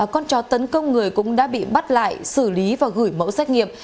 con chó tấn công người cũng đã bị bắt lại xử lý và gửi mẫu xét nghiệm